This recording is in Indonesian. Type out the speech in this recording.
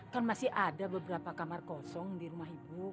kan masih ada beberapa kamar kosong di rumah ibu